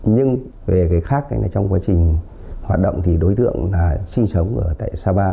nhưng về cái khác là trong quá trình hoạt động thì đối tượng là sinh sống ở tại sapa